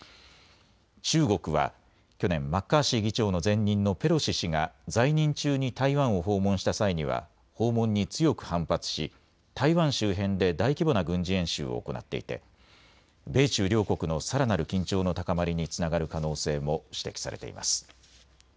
中国は去年、マッカーシー議長の前任のペロシ氏が在任中に台湾を訪問した際には訪問に強く反発し台湾周辺で大規模な軍事演習を行っていて米中両国のさらなる緊張の高まりにつながる可能性も指摘されています。